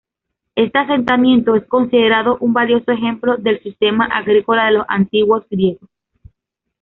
Este asentamiento es considerado un valioso ejemplo del sistema agrícola de los antiguos griegos.